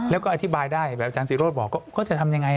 แล้วก็อธิบายได้แบบอาจารย์ศิโรธบอกเขาจะทำยังไง